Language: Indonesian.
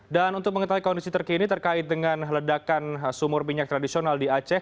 dan untuk mengetahui kondisi terkini terkait dengan ledakan sumur minyak tradisional di aceh